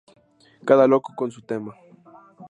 Cada loco con su tema